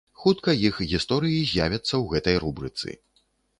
Хутка іх гісторыі з'явяцца ў гэтай рубрыцы.